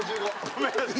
ごめんなさい。